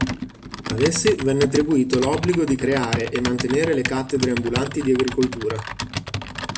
Ad essi venne attribuito l'obbligo di creare e mantenere le cattedre ambulanti di agricoltura.